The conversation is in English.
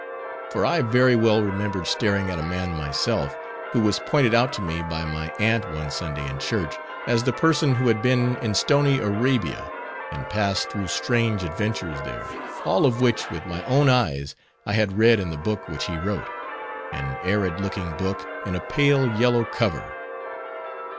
For I very well remembered staring at a man myself, who was pointed out to me by my aunt one Sunday in Church, as the person who had been in Stony Arabia, and passed through strange adventures there, all of which with my own eyes I had read in the book which he wrote, an arid looking book in a pale yellow cover.